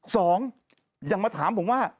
สองอย่างมาถามผมว่า